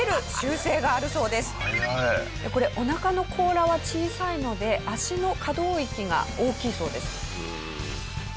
これお腹の甲羅は小さいので脚の可動域が大きいそうです。